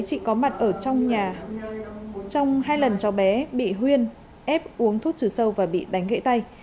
chị có mặt ở trong nhà trong hai lần cháu bé bị huyên ép uống thuốc trừ sâu và bị đánh gãy tay